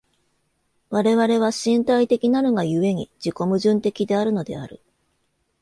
我々は身体的なるが故に、自己矛盾的であるのである。